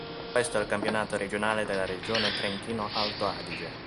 Questo è il campionato regionale della regione Trentino-Alto Adige.